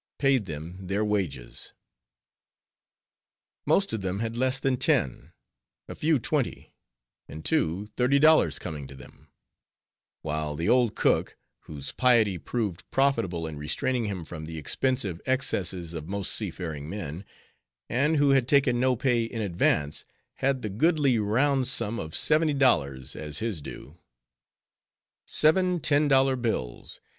—paid them their wages. Most of them had less than ten, a few twenty, and two, thirty dollars coming to them; while the old cook, whose piety proved profitable in restraining him from the expensive excesses of most seafaring men, and who had taken no pay in advance, had the goodly round sum of seventy dollars as his due. Seven ten dollar bills!